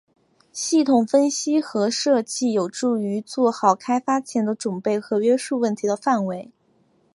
系统分析和设计有助于做好开发前的准备和约束问题的范围。